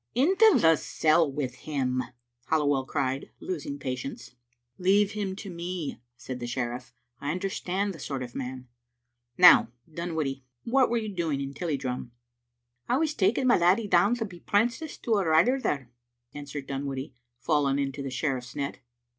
"Into the cell with him," Halliwell cried, losing patience. " Leave him to me," said the sheriff. " I understand the sort of man. Now, Dunwoodie, what were you doing in Tilliedrum?" " I was taking my laddie down to be prenticed to a writer there," answered Dunwoodie, falling into the sheriff's net.